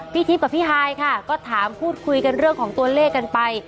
พี่ทิพย์กับพี่ฮายค่ะก็ถามพูดคุยกันเรื่องของตัวเลขกันไป